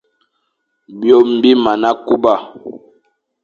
Byôm bi mana kuba.